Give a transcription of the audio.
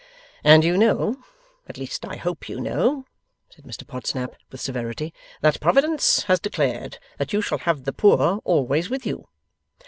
'And you know; at least I hope you know;' said Mr Podsnap, with severity, 'that Providence has declared that you shall have the poor always with you?